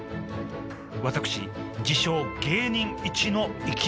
私自称芸人一の生き物大好き。